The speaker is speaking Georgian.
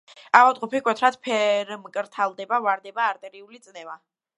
ავადმყოფი მკვეთრად ფერმკრთალდება, ვარდება არტერიული წნევა.